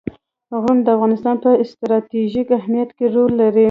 غرونه د افغانستان په ستراتیژیک اهمیت کې رول لري.